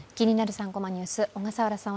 ３コマニュース」、小笠原さん